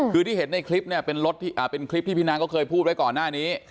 คือที่เห็นในคลิปเนี่ยเป็นคลิปที่พี่นางก็เคยพูดไว้ก่อนหน้านี้